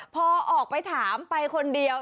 พอออกไปถามไปคนเดียว